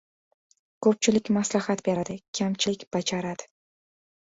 • Ko‘pchilik maslahat beradi, kamchilik bajaradi.